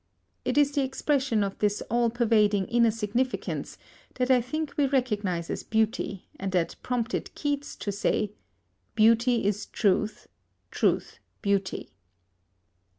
It is the expression of this all pervading inner significance that I think we recognise as beauty, and that prompted Keats to say: "Beauty is truth, truth beauty."